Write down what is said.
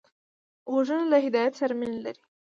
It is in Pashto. غوږونه له هدایت سره مینه لري